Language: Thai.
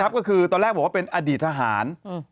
ก็คือตอนแรกบอกว่าเป็นอดีตทหาร